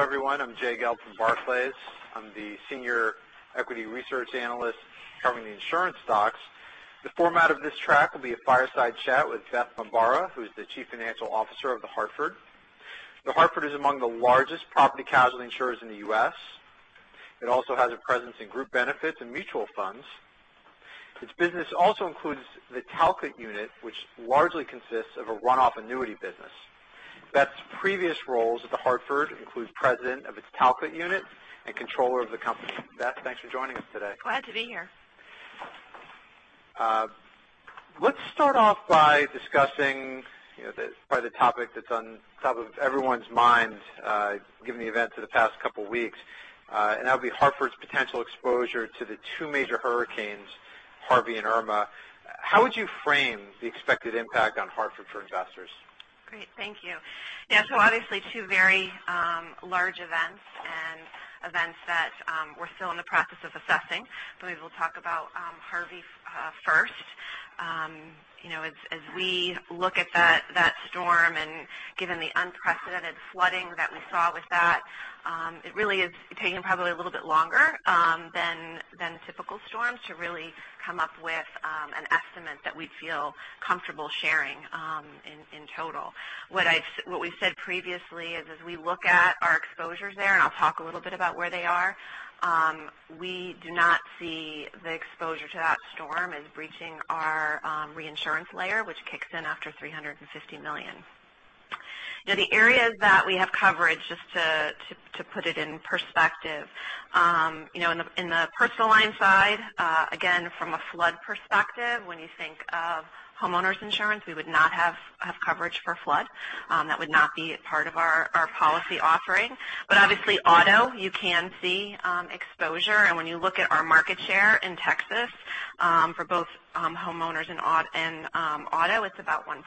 Hello, everyone. I'm Jay Gelb from Barclays. I'm the senior equity research analyst covering the insurance stocks. The format of this track will be a fireside chat with Beth Bombara, who is the Chief Financial Officer of The Hartford. The Hartford is among the largest property casualty insurers in the U.S. It also has a presence in Group Benefits and Mutual Funds. Its business also includes the Talcott unit, which largely consists of a runoff annuity business. Beth's previous roles at The Hartford include president of its Talcott unit and controller of the company. Beth, thanks for joining us today. Glad to be here. Let's start off by discussing the topic that's on top of everyone's minds, given the events of the past couple of weeks. That would be Hartford's potential exposure to the two major hurricanes, Harvey and Irma. How would you frame the expected impact on Hartford for investors? Great. Thank you. Yeah. Obviously, two very large events and events that we're still in the process of assessing. We will talk about Harvey first. As we look at that storm and given the unprecedented flooding that we saw with that, it really is taking probably a little bit longer than typical storms to really come up with an estimate that we'd feel comfortable sharing in total. What we've said previously is, as we look at our exposures there, and I'll talk a little bit about where they are, we do not see the exposure to that storm as breaching our reinsurance layer, which kicks in after $350 million. Now, the areas that we have coverage, just to put it in perspective. In the personal line side, again, from a flood perspective, when you think of homeowners insurance, we would not have coverage for flood. That would not be a part of our policy offering. Obviously auto, you can see exposure. When you look at our market share in Texas for both homeowners and auto, it's about 1%.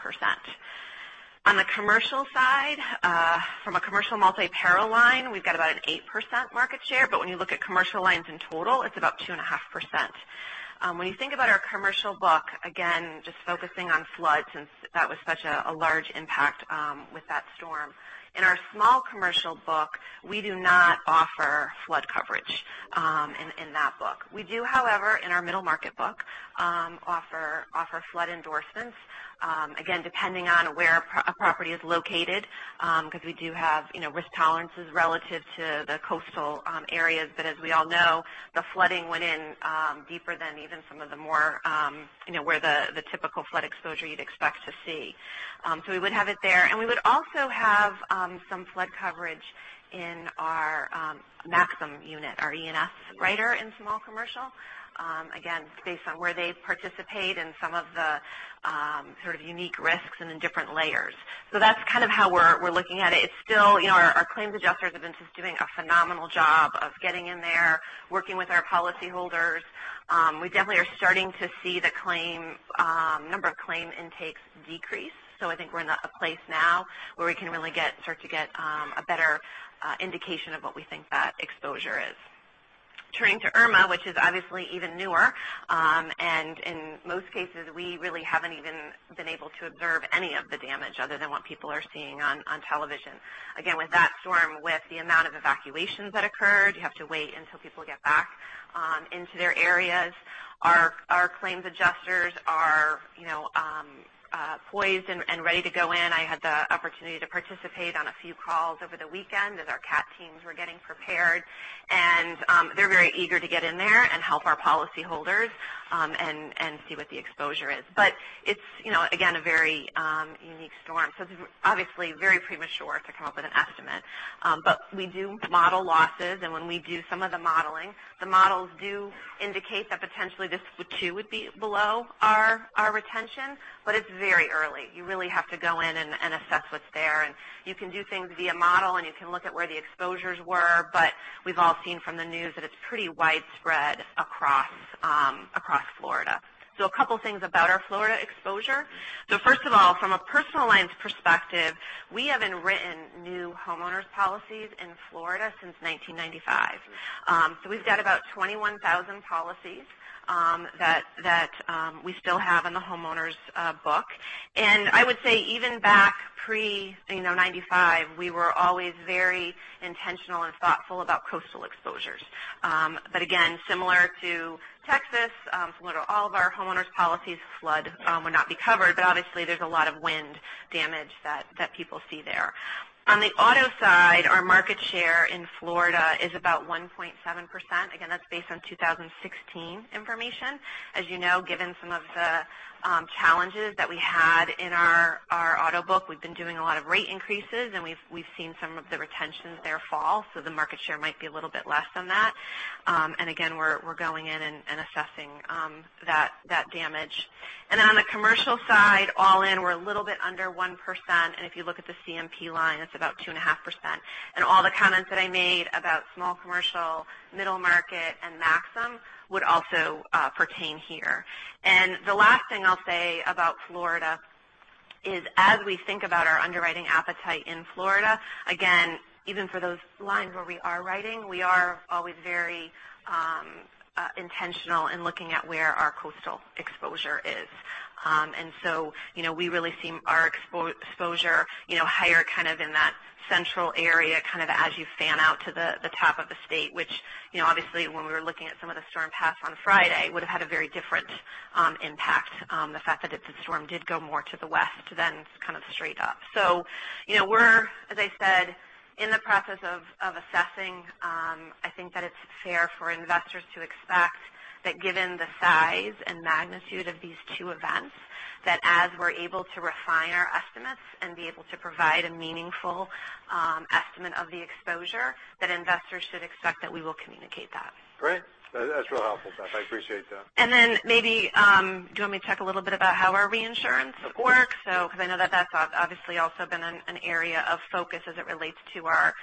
On the commercial side, from a commercial multi-peril line, we've got about an 8% market share. When you look at commercial lines in total, it's about 2.5%. When you think about our commercial book, again, just focusing on floods since that was such a large impact with that storm. In our small commercial book, we do not offer flood coverage in that book. We do, however, in our middle market book, offer flood endorsements. Depending on where a property is located, because we do have risk tolerances relative to the coastal areas. As we all know, the flooding went in deeper than even some of the more where the typical flood exposure you'd expect to see. We would have it there. We would also have some flood coverage in our Maxum unit, our E&S writer in small commercial. Based on where they participate in some of the sort of unique risks and in different layers. That's kind of how we're looking at it. Our claims adjusters have been just doing a phenomenal job of getting in there, working with our policyholders. We definitely are starting to see the number of claim intakes decrease. I think we're in a place now where we can really start to get a better indication of what we think that exposure is. Turning to Irma, which is obviously even newer. In most cases, we really haven't even been able to observe any of the damage other than what people are seeing on television. With that storm, with the amount of evacuations that occurred, you have to wait until people get back into their areas. Our claims adjusters are poised and ready to go in. I had the opportunity to participate on a few calls over the weekend as our CAT teams were getting prepared, and they're very eager to get in there and help our policyholders, and see what the exposure is. It's, again, a very unique storm. Obviously very premature to come up with an estimate. We do model losses, and when we do some of the modeling, the models do indicate that potentially this too would be below our retention. It's very early. You really have to go in and assess what's there. You can do things via model, and you can look at where the exposures were, we've all seen from the news that it's pretty widespread across Florida. A couple things about our Florida exposure. First of all, from a personal lines perspective, we haven't written new homeowners policies in Florida since 1995. We've got about 21,000 policies that we still have in the homeowners book. I would say even back pre-1995, we were always very intentional and thoughtful about coastal exposures. Again, similar to Texas, similar to all of our homeowners policies, flood would not be covered. Obviously, there's a lot of wind damage that people see there. On the auto side, our market share in Florida is about 1.7%. That's based on 2016 information. As you know, given some of the challenges that we had in our auto book, we've been doing a lot of rate increases, and we've seen some of the retentions there fall. The market share might be a little bit less than that. Again, we're going in and assessing that damage. On the commercial side, all in, we're a little bit under 1%. If you look at the CMP line, it's about 2.5%. All the comments that I made about small commercial, middle market, and Maxum would also pertain here. The last thing I'll say about Florida is as we think about our underwriting appetite in Florida, again, even for those lines where we are writing, we are always very intentional in looking at where our coastal exposure is. We really see our exposure higher in that central area as you fan out to the top of the state, which obviously when we were looking at some of the storm paths on Friday, would've had a very different impact. The fact that the storm did go more to the west than straight up. We're, as I said, in the process of assessing. I think that it's fair for investors to expect that given the size and magnitude of these two events, that as we're able to refine our estimates and be able to provide a meaningful estimate of the exposure, that investors should expect that we will communicate that. Great. That's real helpful, Beth. I appreciate that. Maybe, do you want me to talk a little bit about how our reinsurance works? Because I know that that's obviously also been an area of focus as it relates to our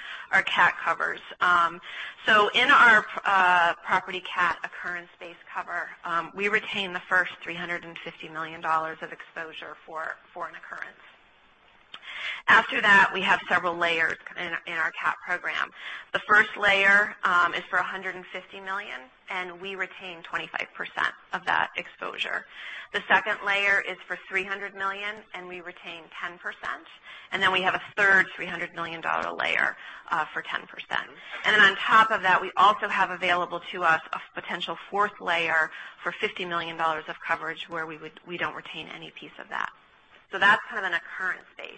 CAT covers. In our property CAT occurrence-based cover, we retain the first $350 million of exposure for an occurrence. After that, we have several layers in our CAT program. The first layer is for $150 million, and we retain 25% of that exposure. The second layer is for $300 million, and we retain 10%. We have a third $300 million layer for 10%. On top of that, we also have available to us a potential fourth layer for $50 million of coverage where we don't retain any piece of that. That's kind of an occurrence base.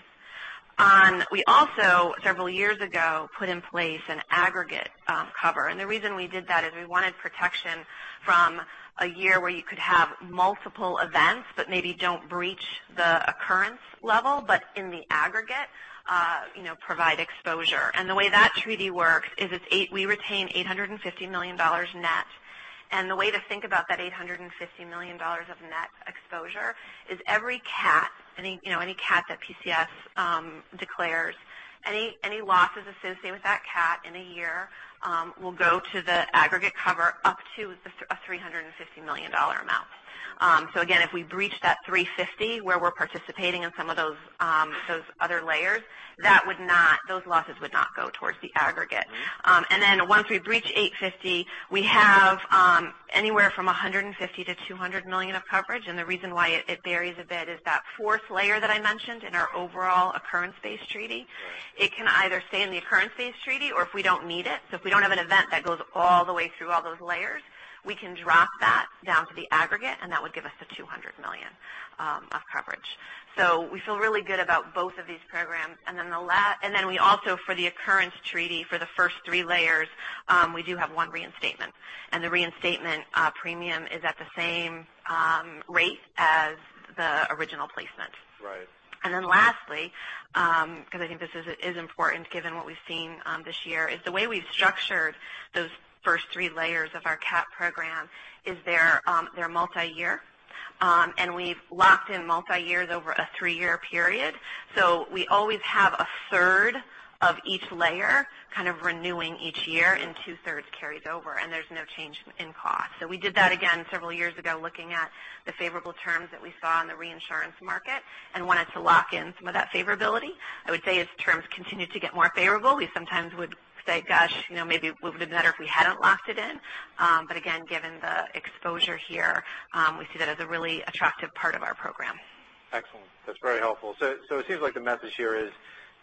We also, several years ago, put in place an aggregate cover. The reason we did that is we wanted protection from a year where you could have multiple events but maybe don't breach the occurrence level, but in the aggregate provide exposure. The way that treaty works is we retain $850 million net. The way to think about that $850 million of net exposure is every CAT, any CAT that PCS declares, any losses associated with that CAT in a year will go to the aggregate cover up to a $350 million amount. Again, if we breach that $350 where we're participating in some of those other layers, those losses would not go towards the aggregate. Once we breach $850, we have anywhere from $150 million-$200 million of coverage. The reason why it varies a bit is that fourth layer that I mentioned in our overall occurrence-based treaty. Right. It can either stay in the occurrence-based treaty or if we don't need it, so if we don't have an event that goes all the way through all those layers, we can drop that down to the aggregate, and that would give us the $200 million of coverage. We feel really good about both of these programs. We also, for the occurrence treaty, for the first three layers, we do have one reinstatement, and the reinstatement premium is at the same rate as the original placement. Right. Lastly, because I think this is important given what we've seen this year, is the way we've structured those first three layers of our CAT program is they're multi-year. We've locked in multi-years over a three-year period. We always have a third of each layer kind of renewing each year, and two-thirds carries over, and there's no change in cost. We did that again several years ago, looking at the favorable terms that we saw in the reinsurance market and wanted to lock in some of that favorability. I would say as terms continue to get more favorable, we sometimes would say, "Gosh, maybe it would've been better if we hadn't locked it in." Again, given the exposure here, we see that as a really attractive part of our program. Excellent. That's very helpful. It seems like the message here is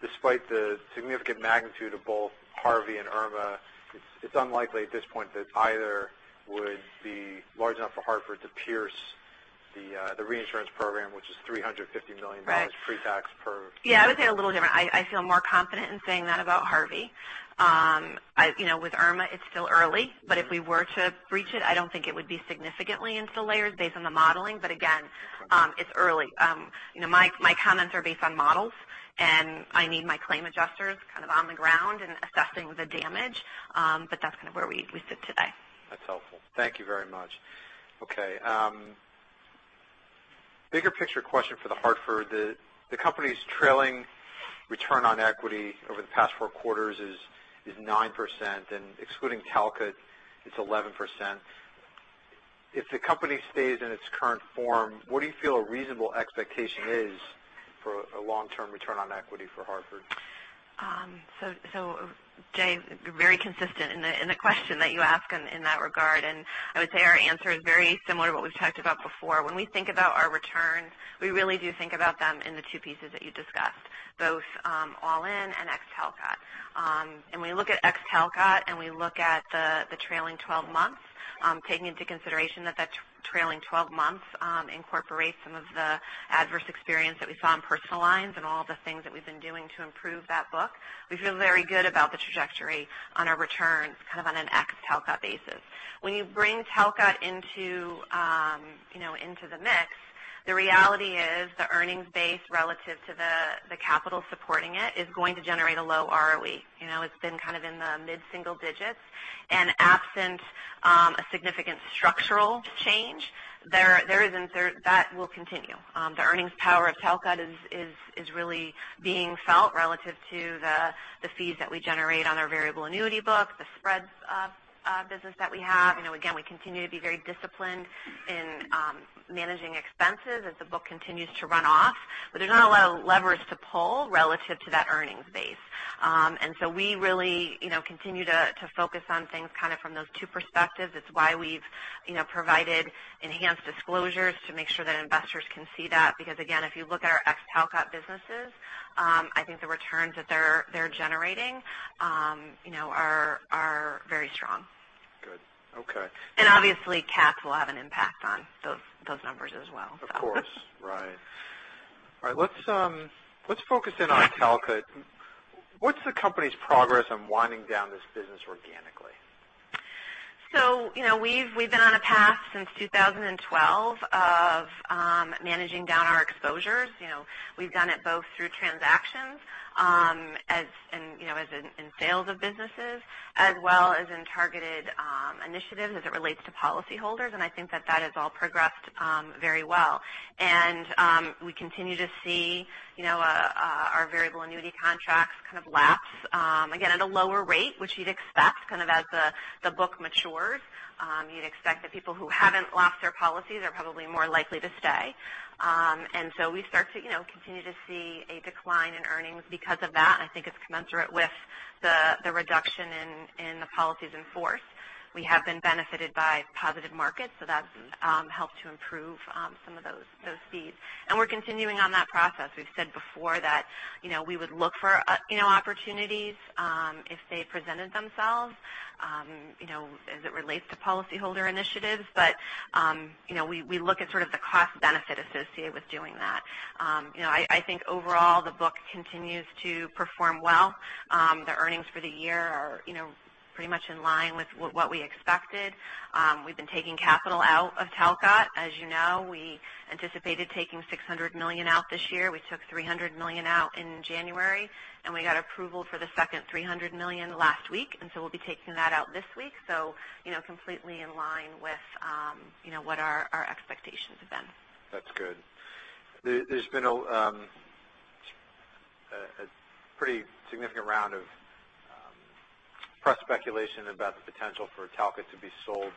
despite the significant magnitude of both Harvey and Irma, it's unlikely at this point that either would be large enough for The Hartford to pierce the reinsurance program, which is $350 million. Right pre-tax per. I would say it a little different. I feel more confident in saying that about Harvey. With Irma, it's still early, if we were to breach it, I don't think it would be significantly into layers based on the modeling. Again. Okay It's early. My comments are based on models, and I need my claim adjusters on the ground and assessing the damage. That's kind of where we sit today. That's helpful. Thank you very much. Okay. Bigger picture question for The Hartford. The company's trailing return on equity over the past four quarters is 9%, and excluding Talcott, it's 11%. If the company stays in its current form, what do you feel a reasonable expectation is for a long-term return on equity for Hartford? Jay, very consistent in the question that you ask in that regard. I would say our answer is very similar to what we've talked about before. When we think about our returns, we really do think about them in the two pieces that you discussed, both all-in and ex Talcott. We look at ex Talcott, and we look at the trailing 12 months, taking into consideration that that trailing 12 months incorporates some of the adverse experience that we saw in personal lines and all the things that we've been doing to improve that book. We feel very good about the trajectory on our returns on an ex Talcott basis. When you bring Talcott into the mix, the reality is the earnings base relative to the capital supporting it is going to generate a low ROE. It's been in the mid-single digits. Absent a significant structural change, that will continue. The earnings power of Talcott is really being felt relative to the fees that we generate on our variable annuity book, the spreads business that we have. Again, we continue to be very disciplined Managing expenses as the book continues to run off, but there's not a lot of leverage to pull relative to that earnings base. We really continue to focus on things from those two perspectives. It's why we've provided enhanced disclosures to make sure that investors can see that, because again, if you look at our ex Talcott businesses, I think the returns that they're generating are very strong. Good. Okay. Obviously, CATs will have an impact on those numbers as well. Of course. Right. All right. Let's focus in on Talcott. What's the company's progress on winding down this business organically? We've been on a path since 2012 of managing down our exposures. We've done it both through transactions and in sales of businesses, as well as in targeted initiatives as it relates to policyholders, I think that that has all progressed very well. We continue to see our variable annuity contracts kind of lapse, again, at a lower rate, which you'd expect as the book matures. You'd expect the people who haven't lapsed their policies are probably more likely to stay. We start to continue to see a decline in earnings because of that, I think it's commensurate with the reduction in the policies in force. We have been benefited by positive markets, that's helped to improve some of those fees. We're continuing on that process. We've said before that we would look for opportunities if they presented themselves as it relates to policyholder initiatives, we look at sort of the cost benefit associated with doing that. I think overall the book continues to perform well. The earnings for the year are pretty much in line with what we expected. We've been taking capital out of Talcott, as you know. We anticipated taking $600 million out this year. We took $300 million out in January, we got approval for the second $300 million last week, we'll be taking that out this week. Completely in line with what our expectations have been. That's good. There's been a pretty significant round of press speculation about the potential for Talcott to be sold.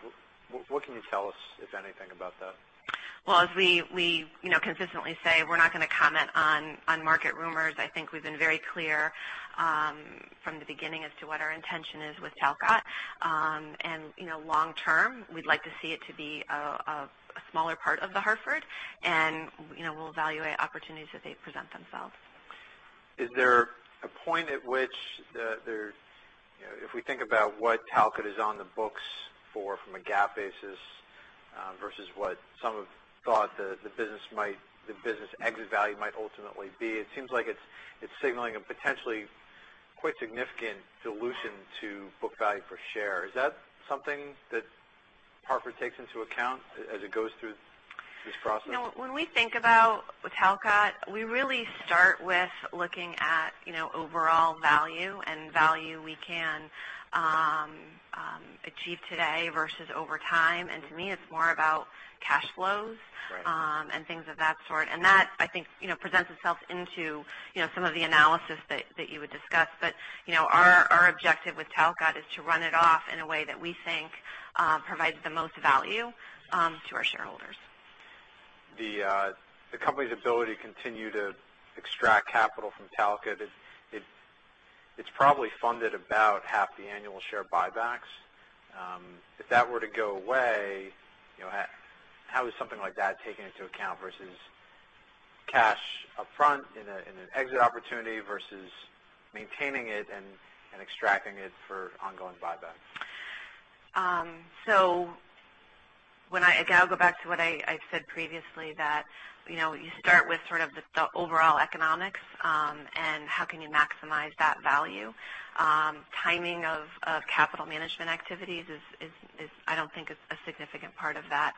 What can you tell us, if anything, about that? Well, as we consistently say, we're not going to comment on market rumors. I think we've been very clear from the beginning as to what our intention is with Talcott. Long term, we'd like to see it to be a smaller part of The Hartford, and we'll evaluate opportunities as they present themselves. Is there a point at which, if we think about what Talcott is on the books for from a GAAP basis versus what some have thought the business exit value might ultimately be, it seems like it's signaling a potentially quite significant dilution to book value per share. Is that something that Hartford takes into account as it goes through this process? When we think about with Talcott, we really start with looking at overall value and value we can achieve today versus over time. To me, it's more about cash flows. Right Things of that sort. That, I think, presents itself into some of the analysis that you would discuss. Our objective with Talcott is to run it off in a way that we think provides the most value to our shareholders. The company's ability to continue to extract capital from Talcott, it's probably funded about half the annual share buybacks. If that were to go away, how is something like that taken into account versus cash up front in an exit opportunity versus maintaining it and extracting it for ongoing buybacks? Again, I'll go back to what I said previously, that you start with sort of the overall economics and how can you maximize that value. Timing of capital management activities I don't think is a significant part of that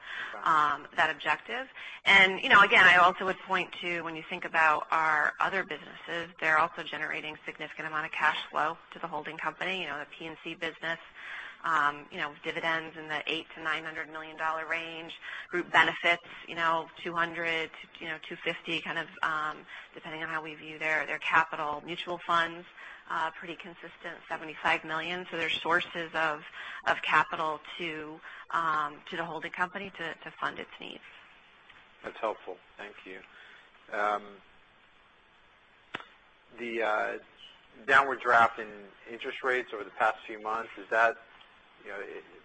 objective. Again, I also would point to when you think about our other businesses, they're also generating significant amount of cash flow to the holding company. The P&C business, dividends in the $800 million-$900 million range. Group Benefits, $200 million, $250 million, kind of depending on how we view their capital. Mutual Funds, pretty consistent, $75 million. There's sources of capital to the holding company to fund its needs. That's helpful. Thank you. The downward draft in interest rates over the past few months,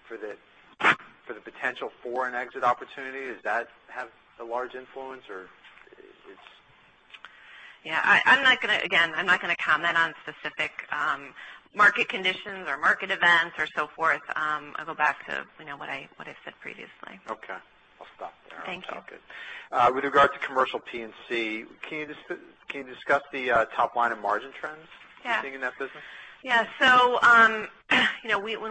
for the potential for an exit opportunity, does that have a large influence? Yeah. Again, I'm not going to comment on specific market conditions or market events or so forth. I'll go back to what I said previously. Okay. I'll stop there on Talcott. Thank you. With regard to commercial P&C, can you discuss the top line and margin trends- Yeah sitting in that business? Yeah. When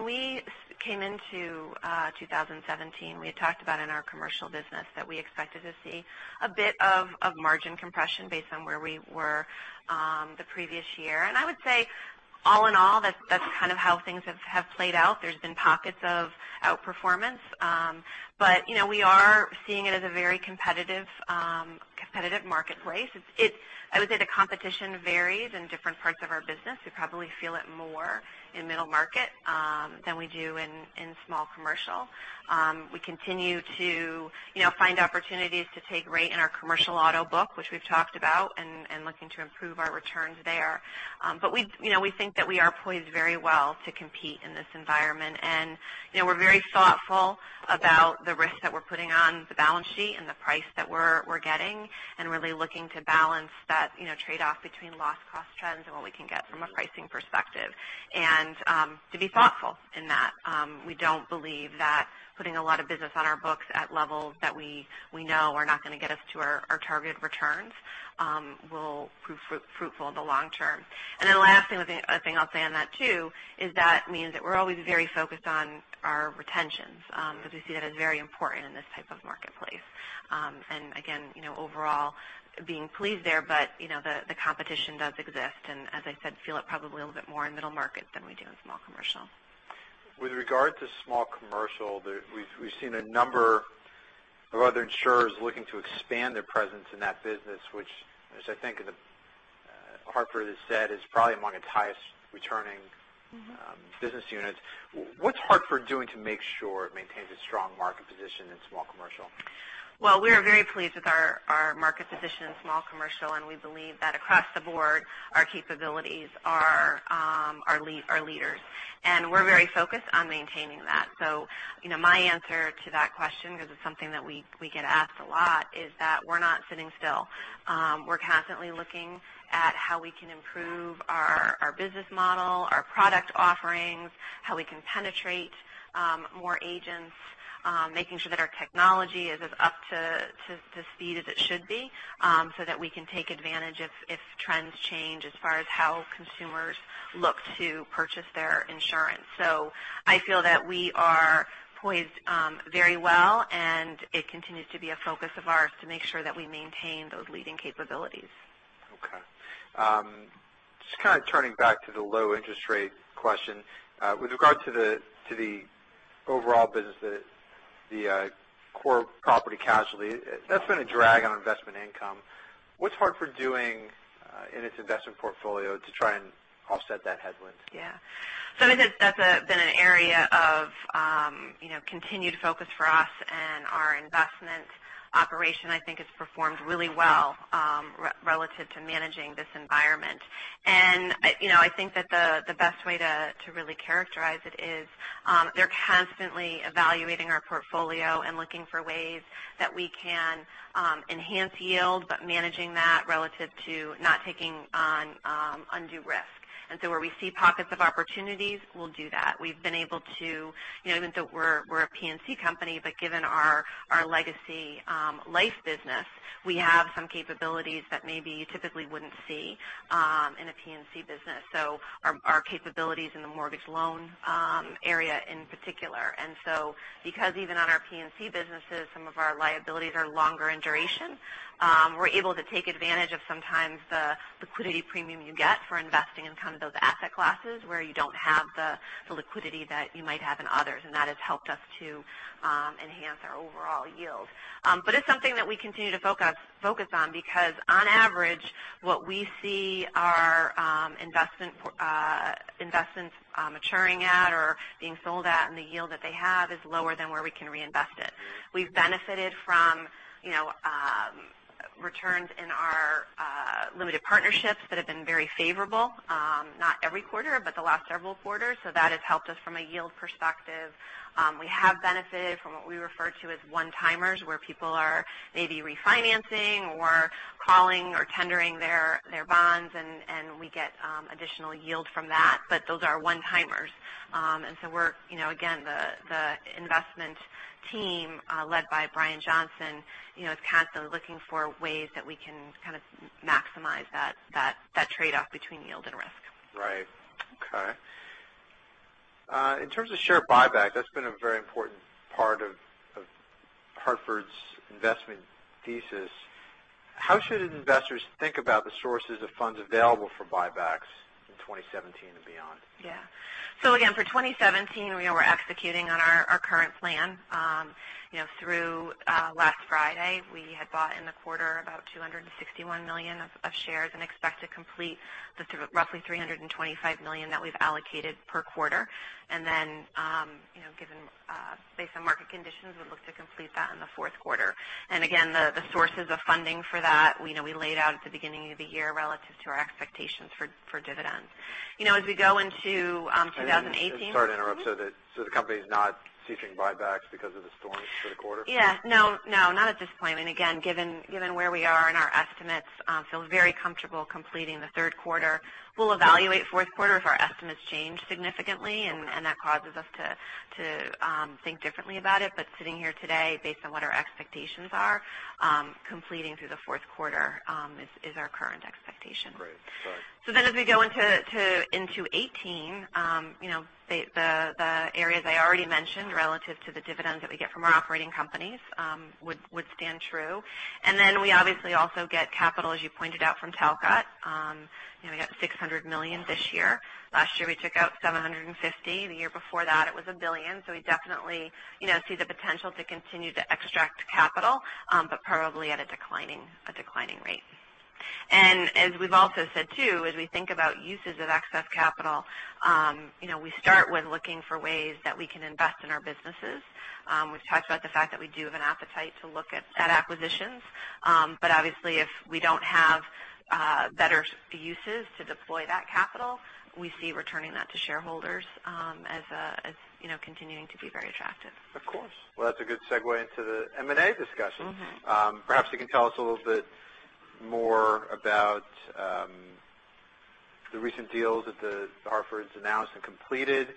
we came into 2017, we had talked about in our commercial business that we expected to see a bit of margin compression based on where we were the previous year. I would say All in all, that's kind of how things have played out. There's been pockets of outperformance. We are seeing it as a very competitive marketplace. I would say the competition varies in different parts of our business. We probably feel it more in middle market than we do in small commercial. We continue to find opportunities to take rate in our commercial auto book, which we've talked about, and looking to improve our returns there. We think that we are poised very well to compete in this environment. We're very thoughtful about the risk that we're putting on the balance sheet and the price that we're getting and really looking to balance that trade-off between loss cost trends and what we can get from a pricing perspective, and to be thoughtful in that. We don't believe that putting a lot of business on our books at levels that we know are not going to get us to our target returns will prove fruitful in the long term. The last thing I'll say on that too, is that means that we're always very focused on our retentions because we see that as very important in this type of marketplace. Again, overall being pleased there, but the competition does exist and as I said, feel it probably a little bit more in middle market than we do in small commercial. With regard to small commercial, we've seen a number of other insurers looking to expand their presence in that business, which as I think The Hartford has said, is probably among its highest returning business units. What's Hartford doing to make sure it maintains a strong market position in small commercial? We are very pleased with our market position in small commercial, and we believe that across the board, our capabilities are leaders. We're very focused on maintaining that. My answer to that question, because it's something that we get asked a lot, is that we're not sitting still. We're constantly looking at how we can improve our business model, our product offerings, how we can penetrate more agents, making sure that our technology is as up to speed as it should be so that we can take advantage if trends change as far as how consumers look to purchase their insurance. I feel that we are poised very well and it continues to be a focus of ours to make sure that we maintain those leading capabilities. Okay. Just kind of turning back to the low interest rate question. With regard to the overall business, the core property casualty, that's been a drag on investment income. What's The Hartford doing in its investment portfolio to try and offset that headwind? I think that's been an area of continued focus for us and our investment operation, I think, has performed really well relative to managing this environment. I think that the best way to really characterize it is they're constantly evaluating our portfolio and looking for ways that we can enhance yield, but managing that relative to not taking on undue risk. Where we see pockets of opportunities, we'll do that. We're a P&C company, but given our legacy life business, we have some capabilities that maybe you typically wouldn't see in a P&C business. Our capabilities in the mortgage loan area in particular. Because even on our P&C businesses, some of our liabilities are longer in duration, we're able to take advantage of sometimes the liquidity premium you get for investing in kind of those asset classes where you don't have the liquidity that you might have in others. That has helped us to enhance our overall yield. It's something that we continue to focus on because on average, what we see our investments maturing at or being sold at, and the yield that they have is lower than where we can reinvest it. We've benefited from returns in our limited partnerships that have been very favorable. Not every quarter, but the last several quarters. That has helped us from a yield perspective. We have benefited from what we refer to as one-timers, where people are maybe refinancing or calling or tendering their bonds and we get additional yield from that. Those are one-timers. Again, the investment team led by Brion Johnson is constantly looking for ways that we can maximize that trade-off between yield and risk. Right. Okay. In terms of share buyback, that's been a very important part of Hartford's investment thesis. How should investors think about the sources of funds available for buybacks in 2017 and beyond? Yeah. Again, for 2017, we're executing on our current plan. Through last Friday we had bought in the quarter about $261 million of shares and expect to complete the roughly $325 million that we've allocated per quarter. Based on market conditions, we'd look to complete that in the fourth quarter. Again, the sources of funding for that we laid out at the beginning of the year relative to our expectations for dividends. As we go into 2018- Sorry to interrupt. The company's not ceasing buybacks because of the storms for the quarter? No, not at this point. Again, given where we are in our estimates, feel very comfortable completing the third quarter. We'll evaluate fourth quarter if our estimates change significantly and that causes us to think differently about it. Sitting here today based on what our expectations are, completing through the fourth quarter is our current expectation. Great. Sorry. As we go into 2018, the areas I already mentioned relative to the dividends that we get from our operating companies would stand true. We obviously also get capital, as you pointed out, from Talcott. We got $600 million this year. Last year we took out $750 million. The year before that it was $1 billion. We definitely see the potential to continue to extract capital but probably at a declining rate. As we've also said, too, as we think about uses of excess capital, we start with looking for ways that we can invest in our businesses. We've talked about the fact that we do have an appetite to look at acquisitions. Obviously, if we don't have better uses to deploy that capital, we see returning that to shareholders as continuing to be very attractive. Of course. Well, that's a good segue into the M&A discussion. Perhaps you can tell us a little bit more about the recent deals that The Hartford's announced and completed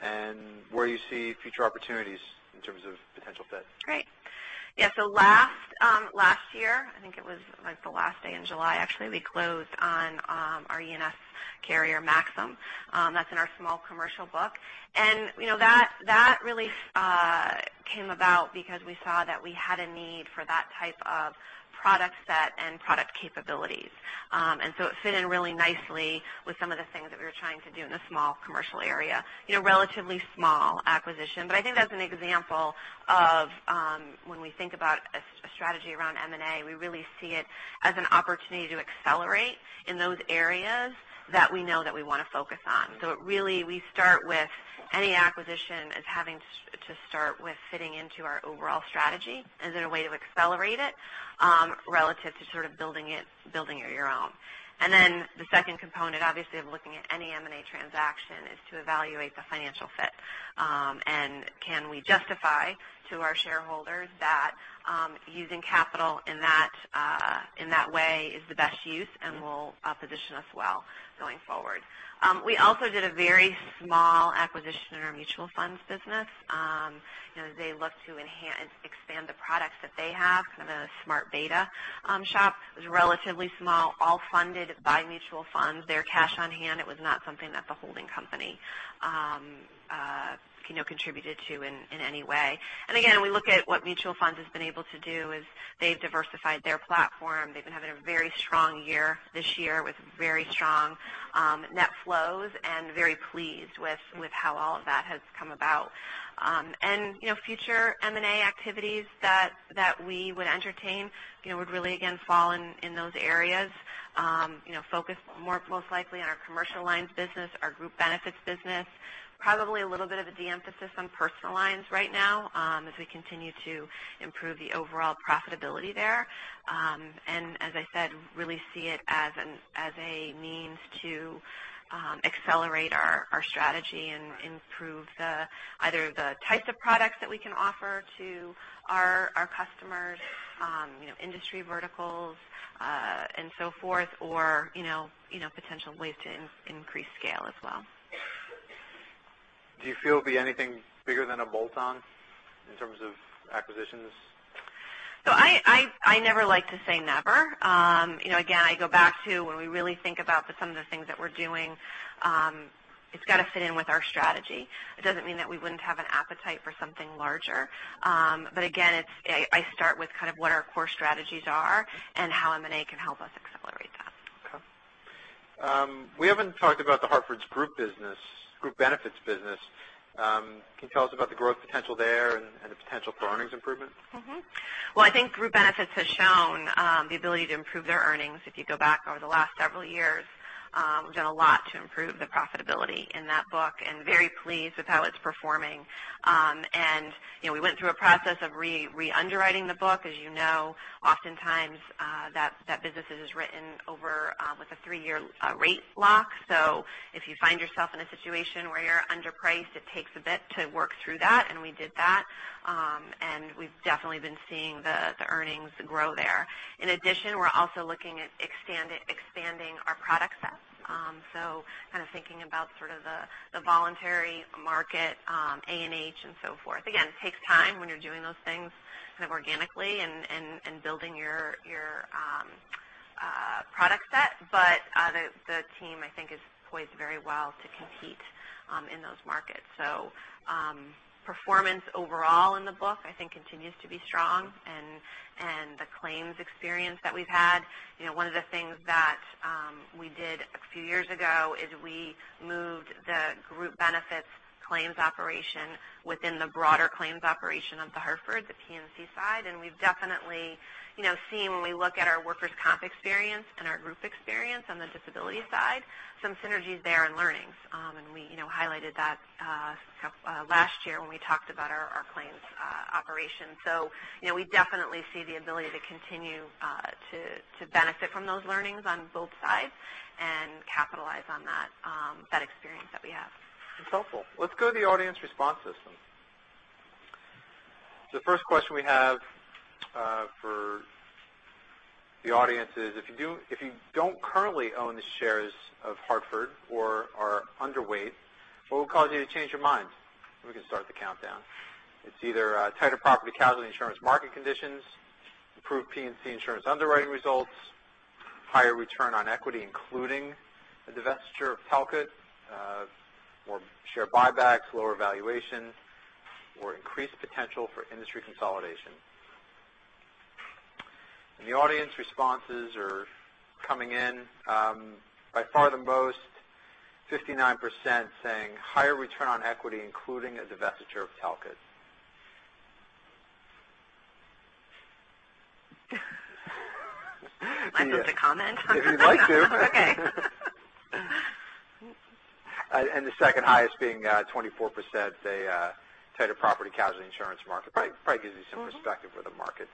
and where you see future opportunities in terms of potential fits. Great. Yeah. Last year, I think it was the last day in July, actually, we closed on our E&S carrier, Maxum. That's in our small commercial book. That really came about because we saw that we had a need for that type of product set and product capabilities. It fit in really nicely with some of the things that we were trying to do in the small commercial area. Relatively small acquisition, but I think that's an example of when we think about a strategy around M&A, we really see it as an opportunity to accelerate in those areas that we know that we want to focus on. Really, we start with any acquisition as having to start with fitting into our overall strategy. Is it a way to accelerate it relative to building it on your own? The second component, obviously, of looking at any M&A transaction is to evaluate the financial fit. Can we justify to our shareholders that using capital in that way is the best use and will position us well going forward? We also did a very small acquisition in our Mutual Funds business. They look to expand the products that they have, kind of a smart beta shop. It was relatively small, all funded by mutual funds, their cash on hand. It was not something that the holding company contributed to in any way. Again, we look at what Mutual Funds has been able to do is they've diversified their platform. They've been having a very strong year this year with very strong net flows and very pleased with how all of that has come about. Future M&A activities that we would entertain would really, again, fall in those areas. Focus most likely on our commercial lines business, our Group Benefits business. Probably a little bit of a de-emphasis on personal lines right now as we continue to improve the overall profitability there. As I said, really see it as a means to accelerate our strategy and improve either the types of products that we can offer to our customers, industry verticals, and so forth, or potential ways to increase scale as well. Do you feel it'll be anything bigger than a bolt-on in terms of acquisitions? I never like to say never. Again, I go back to when we really think about some of the things that we're doing, it's got to fit in with our strategy. It doesn't mean that we wouldn't have an appetite for something larger. Again, I start with what our core strategies are and how M&A can help us accelerate that. Okay. We haven't talked about The Hartford's group business, Group Benefits business. Can you tell us about the growth potential there and the potential for earnings improvement? Well, I think Group Benefits has shown the ability to improve their earnings. If you go back over the last several years, we've done a lot to improve the profitability in that book and very pleased with how it's performing. We went through a process of re-underwriting the book. As you know, oftentimes that business is written over with a three-year rate lock. If you find yourself in a situation where you're underpriced, it takes a bit to work through that, and we did that. We've definitely been seeing the earnings grow there. In addition, we're also looking at expanding our product set. Kind of thinking about the voluntary market, A&H, and so forth. Again, it takes time when you're doing those things organically and building your product set. But the team, I think, is poised very well to compete in those markets. Performance overall in the book, I think, continues to be strong and the claims experience that we've had. One of the things that we did a few years ago is we moved the Group Benefits claims operation within the broader claims operation of The Hartford, the P&C side. We've definitely seen when we look at our workers' comp experience and our group experience on the disability side, some synergies there and learnings. We highlighted that last year when we talked about our claims operation. We definitely see the ability to continue to benefit from those learnings on both sides and capitalize on that experience that we have. That's helpful. Let's go to the audience response system. The first question we have for the audience is, if you don't currently own the shares of Hartford or are underweight, what would cause you to change your mind? We can start the countdown. It's either tighter property casualty insurance market conditions, improved P&C insurance underwriting results, higher return on equity, including the divestiture of Talcott, or share buybacks, lower valuation, or increased potential for industry consolidation. The audience responses are coming in. By far the most, 59% saying higher return on equity, including a divestiture of Talcott. Am I supposed to comment on that? If you'd like to. Okay. The second highest being 24%, the total property casualty insurance market. Probably gives you some perspective for the market's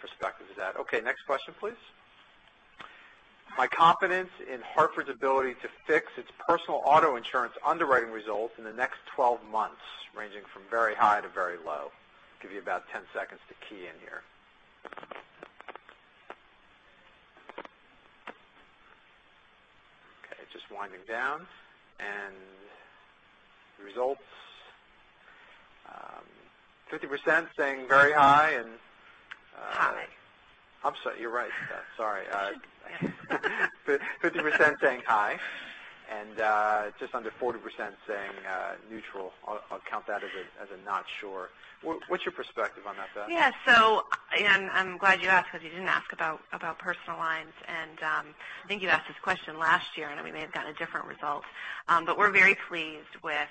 perspective of that. Okay, next question, please. My confidence in The Hartford's ability to fix its personal auto insurance underwriting results in the next 12 months, ranging from very high to very low. Give you about 10 seconds to key in here. Okay, just winding down. The results, 50% saying very high, and- High. I'm sorry, you're right, Beth. Sorry. 50% saying high, and just under 40% saying neutral. I'll count that as a not sure. What's your perspective on that, Beth? Yeah. I'm glad you asked because you didn't ask about personal lines. I think you asked this question last year, and we may have gotten a different result. We're very pleased with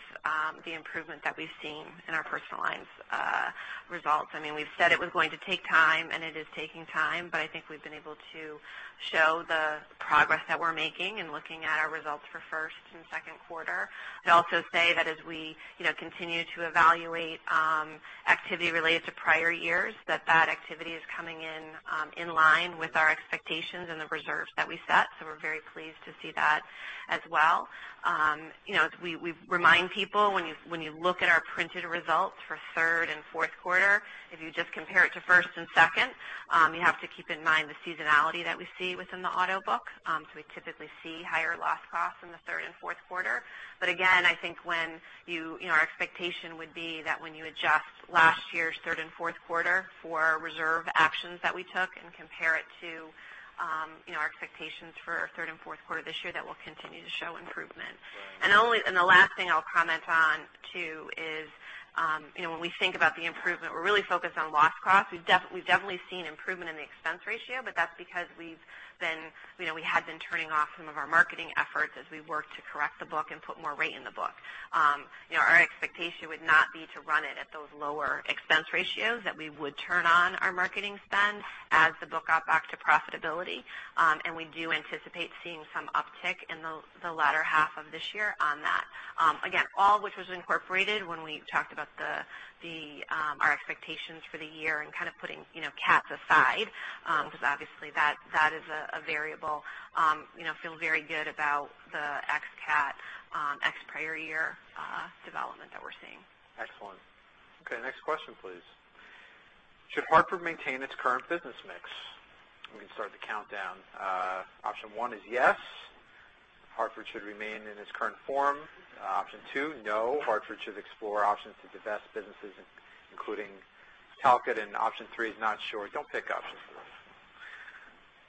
the improvement that we've seen in our personal lines results. We've said it was going to take time, and it is taking time, but I think we've been able to show the progress that we're making in looking at our results for first and second quarter. I'd also say that as we continue to evaluate activity related to prior years, that activity is coming in line with our expectations and the reserves that we set. We're very pleased to see that as well. We remind people, when you look at our printed results for third and fourth quarter, if you just compare it to first and second, you have to keep in mind the seasonality that we see within the auto book. We typically see higher loss costs in the third and fourth quarter. Again, our expectation would be that when you adjust last year's third and fourth quarter for reserve actions that we took and compare it to our expectations for third and fourth quarter this year, that we'll continue to show improvement. Right. The last thing I'll comment on, too, is when we think about the improvement, we're really focused on loss cost. We've definitely seen improvement in the expense ratio, that's because we had been turning off some of our marketing efforts as we worked to correct the book and put more rate in the book. Our expectation would not be to run it at those lower expense ratios, that we would turn on our marketing spend as the book got back to profitability. We do anticipate seeing some uptick in the latter half of this year on that. Again, all which was incorporated when we talked about our expectations for the year and kind of putting CAT aside, because obviously that is a variable. Feel very good about the ex CAT, ex prior year development that we're seeing. Excellent. Okay, next question, please. Should Hartford maintain its current business mix? I'm going to start the countdown. Option 1 is yes, Hartford should remain in its current form. Option 2, no, Hartford should explore options to divest businesses including Talcott. Option 3 is not sure. Don't pick Option 3.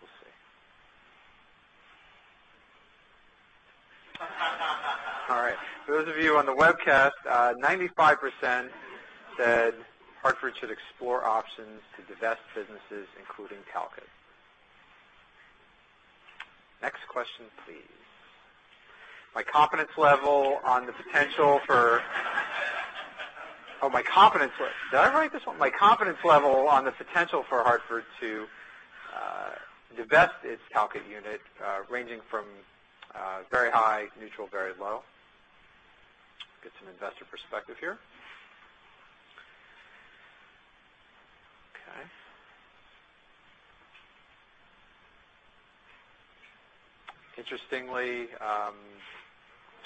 We'll see. All right. For those of you on the webcast, 95% said Hartford should explore options to divest businesses, including Talcott. Next question, please. My confidence level on the potential for- Did I write this one? My confidence level on the potential for Hartford to divest its Talcott unit, ranging from very high, neutral, very low. Get some investor perspective here. Okay. Interestingly,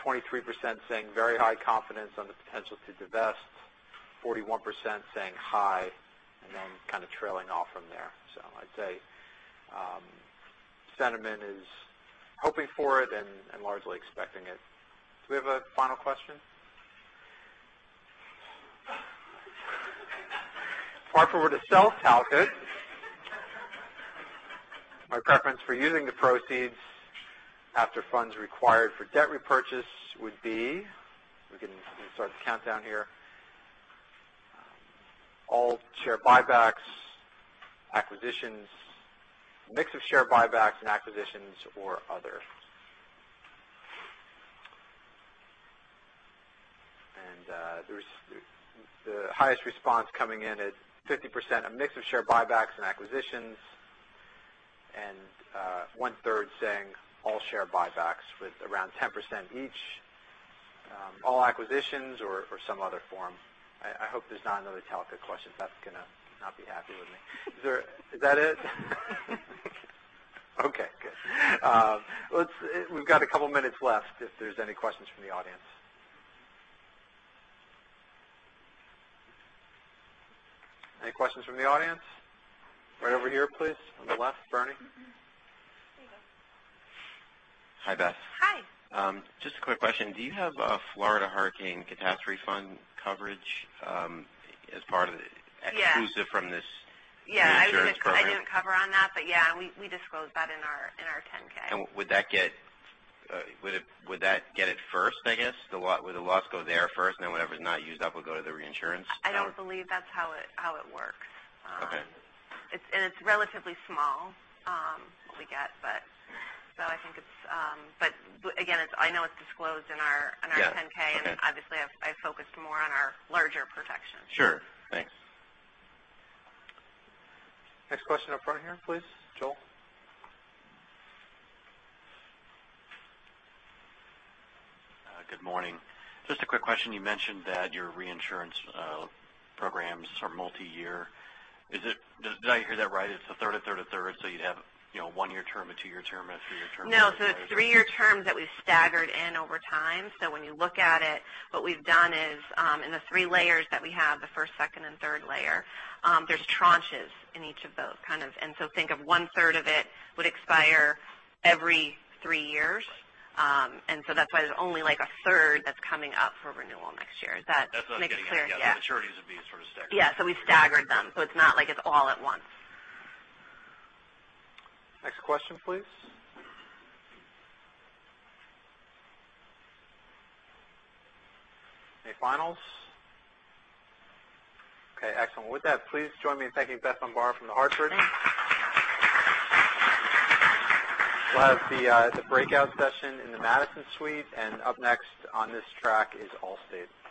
23% saying very high confidence on the potential to divest, 41% saying high, and then kind of trailing off from there. I'd say sentiment is hoping for it and largely expecting it. Do we have a final question? If Hartford were to sell Talcott- My preference for using the proceeds after funds required for debt repurchase would be? We can start the countdown here. All share buybacks, acquisitions, mix of share buybacks and acquisitions, or other. The highest response coming in at 50%, a mix of share buybacks and acquisitions, and one third saying all share buybacks, with around 10% each all acquisitions or some other form. I hope there's not another Talcott question. Beth's going to not be happy with me. Is that it? Okay, good. We've got a couple minutes left if there's any questions from the audience. Any questions from the audience? Right over here, please, on the left. Bernie? Here you go. Hi, Beth. Hi. Just a quick question. Do you have Florida Hurricane Catastrophe Fund coverage as part of the Yes exclusive from this reinsurance program? I didn't cover on that, yeah, we disclose that in our 10-K. Would that get it first, I guess? Would the loss go there first, then whatever's not used up would go to the reinsurance then? I don't believe that's how it works. Okay. It's relatively small, what we get. Again, I know it's disclosed in our 10-K. Yeah. Okay. Obviously, I focused more on our larger protections. Sure. Thanks. Next question up front here, please. Joel? Good morning. Just a quick question. You mentioned that your reinsurance programs are multi-year. Did I hear that right? It's a third, a third, a third, so you'd have a one-year term, a two-year term, and a three-year term? No. It's three-year terms that we've staggered in over time. When you look at it, what we've done is, in the three layers that we have, the first, second, and third layer, there's tranches in each of those. Think of one third of it would expire every three years. Right. That's why there's only a third that's coming up for renewal next year. Does that make it clear? That's what I was getting at. Yeah. The maturities would be sort of staggered. Yeah. We've staggered them, so it's not like it's all at once. Next question, please. Any finals? Okay, excellent. With that, please join me in thanking Beth Bombara from The Hartford. Thanks. We'll have the breakout session in the Madison Suite, and up next on this track is Allstate. Thank you so much.